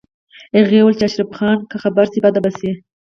هغې وویل چې اشرف خان که خبر شي بد به شي